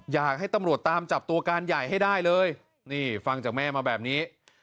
อยากให้ตำรวจตามจับตัวการใหญ่ให้ได้เลยนี่ฟังจากแม่มาแบบนี้